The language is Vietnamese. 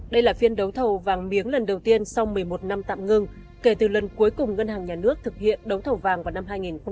đây là phiên đấu thầu vàng miếng lần đầu tiên sau một mươi một năm tạm ngưng kể từ lần cuối cùng ngân hàng nhà nước thực hiện đấu thầu vàng vào năm hai nghìn một mươi